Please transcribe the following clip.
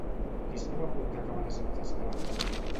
Qui estava a punt d'acabar la seva tasca laboral?